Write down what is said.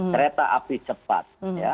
kereta api cepat